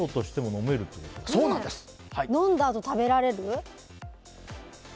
飲んだあと食べられる？